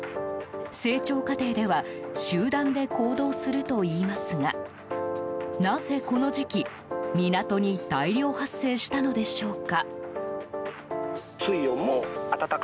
成長過程では集団で行動するといいますがなぜこの時期港に大量発生したのでしょうか。